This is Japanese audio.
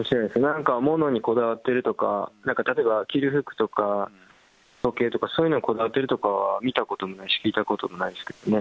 なんかものにこだわってるとか、なんか例えば、着る服とか時計とか、そういうのにこだわってるとかは見たことないし、聞いたこともないですけどね。